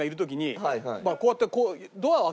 こうやってこう。